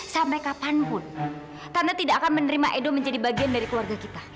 sampai kapanpun karena tidak akan menerima edo menjadi bagian dari keluarga kita